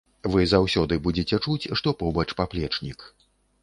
Вы заўсёды будзеце чуць, што побач паплечнік.